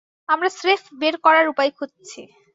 আমরা স্রেফ বের করার উপায় খুঁজছি।